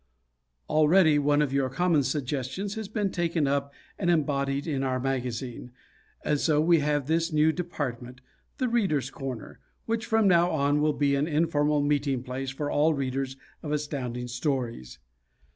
Already one of your common suggestions has been taken up and embodied in our magazine, and so we have this new department, "The Readers' Corner," which from now on will be an informal meeting place for all readers of Astounding Stories.